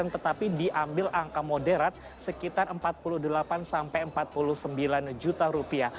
tetapi diambil angka moderat sekitar rp empat puluh delapan empat puluh sembilan juta